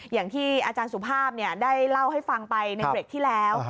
อย่างที่อาจารย์สุภาพได้เล่าให้ฟังไปในเบรกที่แล้ว